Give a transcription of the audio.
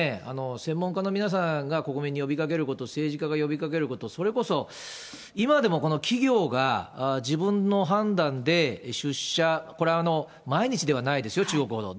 専門家の皆さんが国民に呼びかけること、政治家が呼びかけること、それこそ今でも企業が、自分の判断で出社、これ、毎日ではないですよ、中国ほど。